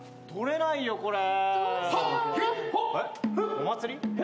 お祭り？